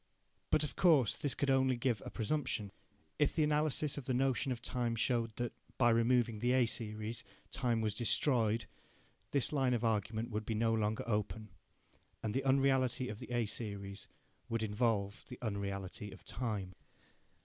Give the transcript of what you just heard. But of course this could only give a presumption. If the analysis of the notion of time showed that, by removing the A series, time was destroyed, this line of argument would be no longer open, and the unreality of the A series would involve the unreality of time.